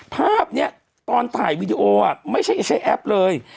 ภาพนี้ตอนถ่ายวีดีโอไม่ใช่ใช้แอปเลย